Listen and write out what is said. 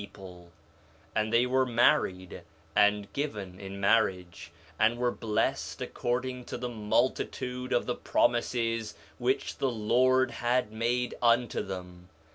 4 Nephi 1:11 And they were married, and given in marriage, and were blessed according to the multitude of the promises which the Lord had made unto them.